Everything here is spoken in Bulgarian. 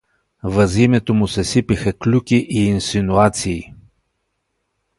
Въз името му се сипеха клюки и инсинуации.